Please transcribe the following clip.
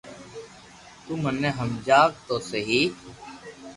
تو مني ھمجاو تو سھي